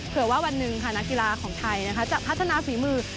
เพื่อว่าวันหนึ่งค่ะนักกีฬาของไทยจะพัฒนาฝีมือ